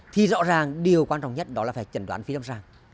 thì rõ ràng điều quan trọng nhất đó là phải chẩn đoán phi lâm sàng